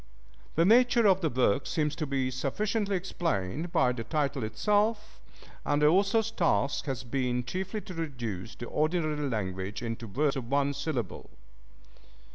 The nature of the work seems to be sufficiently explained by the title itself, and the author's task has been chiefly to reduce the ordinary language into words of one syllable.